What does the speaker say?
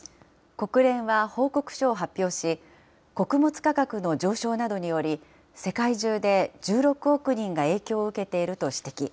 国連は報告書を発表し、穀物価格の上昇などにより、世界中で１６億人が影響を受けていると指摘。